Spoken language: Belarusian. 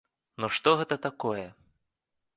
Ну што гэта такое?